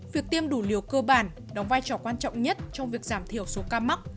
việc tiêm đủ liều cơ bản đóng vai trò quan trọng nhất trong việc giảm thiểu số ca mắc